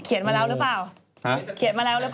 เขียนมาแล้วหรือเปล่า